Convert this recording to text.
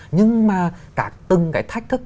nhưng mà cả từng cái thách thức